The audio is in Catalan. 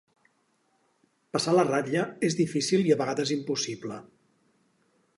Passar la ratlla és difícil i a vegades impossible.